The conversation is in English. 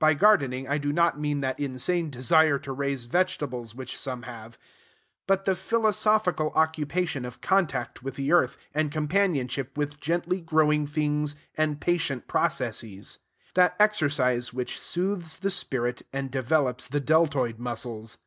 By gardening, I do not mean that insane desire to raise vegetables which some have; but the philosophical occupation of contact with the earth, and companionship with gently growing things and patient processes; that exercise which soothes the spirit, and develops the deltoid muscles.